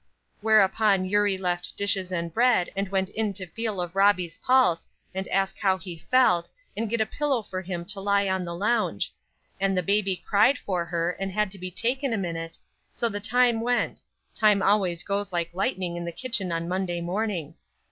Whereupon Eurie left dishes and bread and went in to feel of Robbie's pulse, and ask how he felt, and get a pillow for him to lie on the lounge; and the baby cried for her and had to be taken a minute; so the time went time always goes like lightning in the kitchen on Monday morning.